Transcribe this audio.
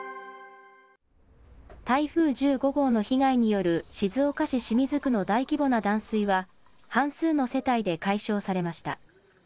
台風１５号の被害による静岡市清水区の大規模な断水は、半数の世帯で解消されました。